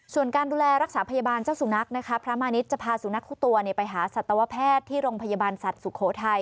ส่วนการดูแลรักษาพยาบาลเจ้าสุนัขนะคะพระมาณิชย์จะพาสุนัขทุกตัวไปหาสัตวแพทย์ที่โรงพยาบาลสัตว์สุโขทัย